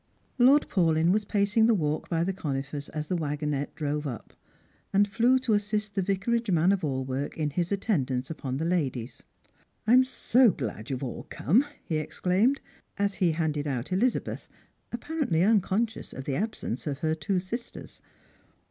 Lord Paulyn was pacing the walk by the conifers as the wagonette drove up, and flew to assist the vicarage man of all work in his attendance upon the ladies. Strangers and Pilgrimt. 103 " I'm so glad you've all come," he exclaimed, as he handed ont Elizabeth, apparently unconscious of the absence of her two sisters.